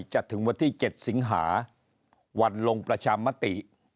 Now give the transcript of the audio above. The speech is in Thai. จะถึงวันที่๗สิงหาวันลงประชามติ